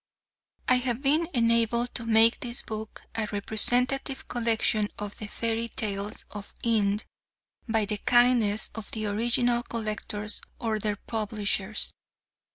I have been enabled to make this book a representative collection of the Fairy Tales of Ind by the kindness of the original collectors or their publishers.